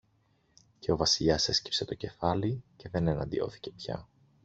Και ο Βασιλιάς έσκυψε το κεφάλι και δεν εναντιώθηκε πια.